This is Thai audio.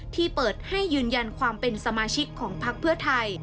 ที่เปิดให้ยืนยันความเป็นสมาชิกของพักเพื่อไทย